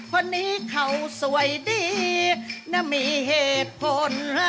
คนนี้เขาสวยดีและมีเหตุผล